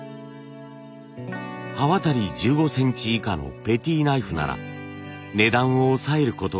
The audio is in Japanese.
刃渡り１５センチ以下のペティナイフなら値段を抑えることができる。